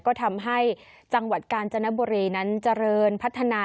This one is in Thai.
ก็ทำให้จังหวัดกาญจนบุรีนั้นเจริญพัฒนา